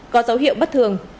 có dấu hiệu bất thường